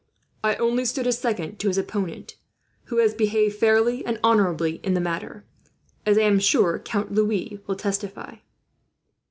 I only stood as second to his opponent, who has behaved fairly and honourably in the matter, as I am sure Count Louis will testify."